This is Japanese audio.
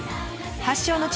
発祥の地